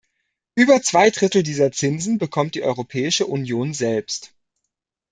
Über zwei Drittel dieser Zinsen bekommt die Europäische Union selbst.